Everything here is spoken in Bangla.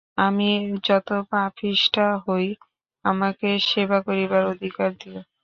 আমি যত পাপিষ্ঠা হই আমাকে সেবা করিবার অধিকার দিয়ো।